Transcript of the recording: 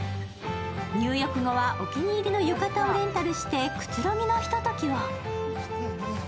入浴後はお気に入りの浴衣をレンタルして、くつろぎのひとときを。